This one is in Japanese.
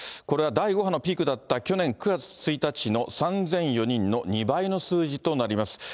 これは第５波のピークだった、去年９月１日の３００４人の２倍の数字となります。